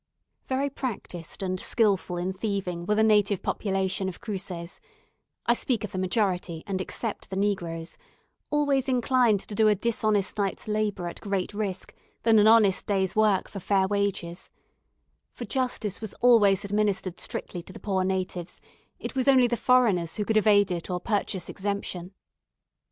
Very practised and skilful in thieving were the native population of Cruces I speak of the majority, and except the negroes always more inclined to do a dishonest night's labour at great risk, than an honest day's work for fair wages; for justice was always administered strictly to the poor natives it was only the foreigners who could evade it or purchase exemption.